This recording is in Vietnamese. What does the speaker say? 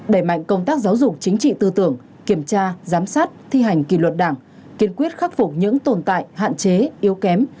đẩy mạnh công tác giáo dục chính trị tư tưởng kiểm tra giám sát thi hành kỳ luật đảng kiên quyết khắc phục những tồn tại hạn chế yếu kém